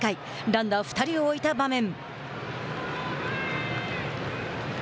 ランナー２人を置いた場面。